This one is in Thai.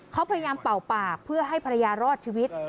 เขาพยายามเป่าปากเพื่อให้ภรรยารอดชีวิต